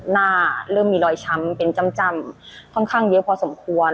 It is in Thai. ภาพเริ่มมีรอยช้ำก็ควรเป็นจ่ำค่อนข้างเย็บพอสมควร